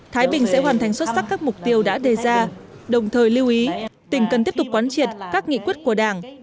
thái bình sẽ hoàn thành xuất sắc các mục tiêu đã đề ra đồng thời lưu ý tỉnh cần tiếp tục quán triệt các nghị quyết của đảng